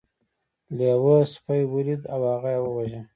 لیوه سپی ولید او هغه یې وواژه.